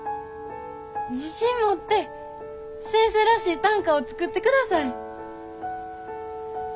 自信持って先生らしい短歌を作ってください。